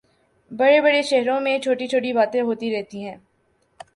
بڑے بڑے شہروں میں چھوٹی چھوٹی باتیں ہوتی رہتی ہیں